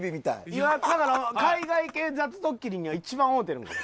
いやただ海外系雑ドッキリには一番合うてるんかも。